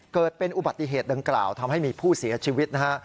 เกิดเป็นอุบัติเหตุดังกล่าวทำให้มีผู้เสียชีวิตนะฮะ